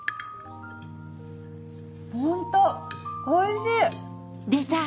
おいしい！